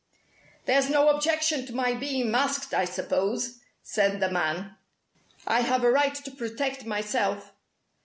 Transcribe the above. "There's no objection to my being masked, I suppose?" said the man. "I have a right to protect myself."